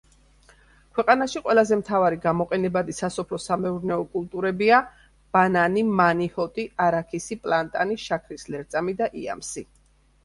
ქვეყანაში ყველაზე მთავარი გამოყენებადი სასოფლო-სამეურნეო კულტურებია ბანანი, მანიჰოტი, არაქისი, პლანტანი, შაქრის ლერწამი და იამსი.